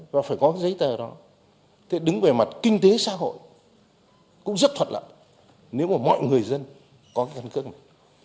và phải có giấy tờ đó thế đứng về mặt kinh tế xã hội cũng rất thuật lợi nếu mà mọi người dân có cái căn cước này